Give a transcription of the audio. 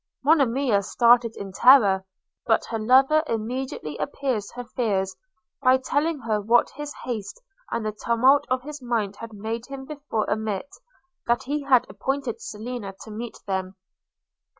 – Monimia started, in terror; but her lover immediately appeased her fears, by telling her what his haste and the tumult of his mind had made him before omit, that he had appointed Selina to meet them.